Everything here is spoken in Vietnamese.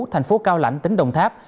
tp cao lãnh tỉnh đồng tháp